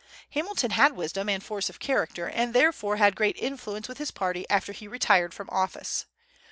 Hamilton had wisdom and force of character, and therefore had great influence with his party after he retired from office.